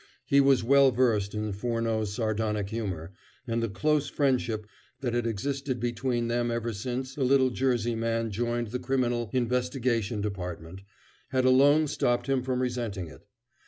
He was well versed in Furneaux's sardonic humor, and the close friendship that had existed between them ever since the little Jersey man joined the Criminal Investigation Department had alone stopped him from resenting it.